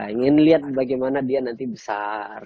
ingin lihat bagaimana dia nanti besar